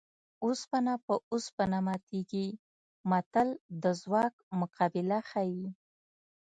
اوسپنه په اوسپنه ماتېږي متل د ځواک مقابله ښيي